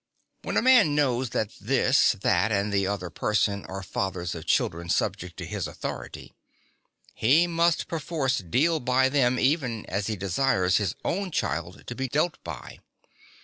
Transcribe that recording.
When a man knows that this, that, and the other person are fathers of children subject to his authority, he must perforce deal by them even as he desires his own child to be dealt by.